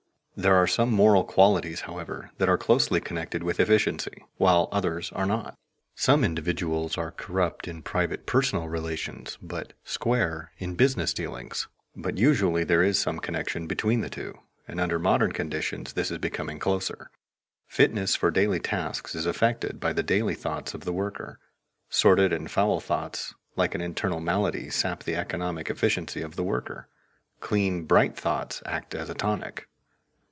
There are some moral qualities, however, that are closely connected with efficiency, while others are not. Some individuals are corrupt in private personal relations, but "square" in business dealings. But usually there is some connection between the two, and under modern conditions this is becoming closer. Fitness for daily tasks is affected by the daily thoughts of the worker. Sordid and foul thoughts, like an internal malady, sap the economic efficiency of the worker; clean, bright thoughts act as a tonic.